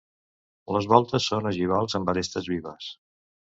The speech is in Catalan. Les voltes són ogivals amb arestes vives.